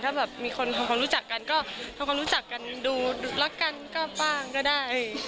ถ้าแบบมีคนทำความรู้จักกันก็ทำความรู้จักกันดูรักกันก็บ้างก็ได้